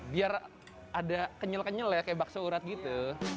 biar ada kenyel kenyel ya kayak bakso urat gitu